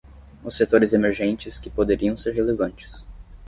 Os setores emergentes que poderiam ser relevantes.